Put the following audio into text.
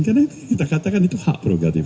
karena kita katakan itu hak prerogatif